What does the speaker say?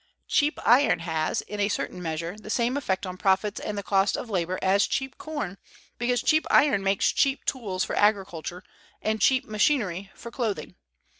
Cheap iron has, in a certain measure, the same effect on profits and the cost of labor as cheap corn, because cheap iron makes cheap tools for agriculture and cheap machinery for clothing.